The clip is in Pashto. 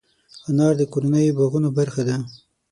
انار د کورنیو باغونو برخه ده.